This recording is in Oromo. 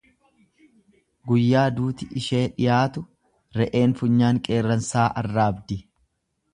Guyyaa duuti ishee dhiyaatu, re'een funyaan qeerransaa arraabdi.